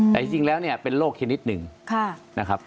แต่จริงแล้วเป็นโรคแค่นิดนึงนะครับ